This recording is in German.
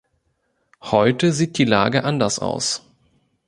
Heute sieht die Lage anders aus.